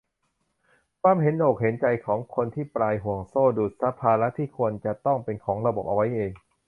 ความเห็นอกเห็นใจกันของคนที่ปลายห่วงโซ่ ดูดซับภาระที่ควรจะต้องเป็นของระบบเอาไว้เอง